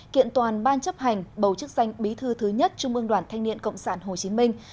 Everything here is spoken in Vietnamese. kiện toàn ban chấp hành bầu chức danh bí thư thứ nhất trung ương đoàn thanh niên cộng sản hồ chí minh